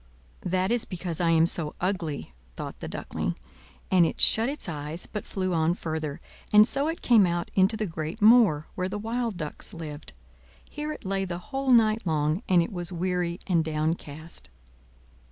"That is because I am so ugly!" thought the Duckling; and it shut its eyes, but flew on further; and so it came out into the great moor, where the wild ducks lived. Here it lay the whole night long; and it was weary and downcast.